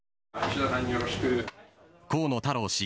河野太郎氏